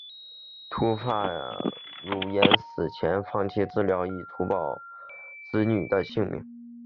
秃发傉檀死前放弃治疗以图保全子女的性命。